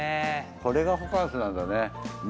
これがホカンスなんだね